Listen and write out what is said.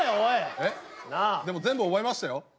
でも全部覚えましたよ。